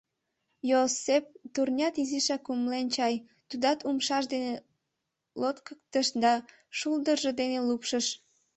Йоосеп-турнят изишак умылен чай, тудат умшаж дене лоткыктыш да шулдыржо дене лупшыш.